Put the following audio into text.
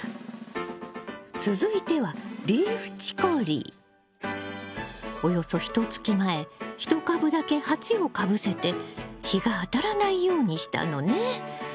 続いてはおよそひとつき前１株だけ鉢をかぶせて日が当たらないようにしたのね。